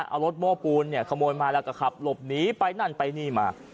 เอารถโม้ปูนเนี่ยขโมยมาแล้วก็ขับหลบหนีไปนั่นไปนี่มา